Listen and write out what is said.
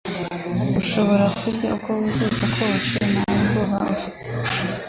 ushobora kurya uko wifuza kose nta bwoba ufite.